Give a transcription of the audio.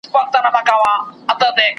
څو به لا په پټه له هینداري څخه سوال کوو .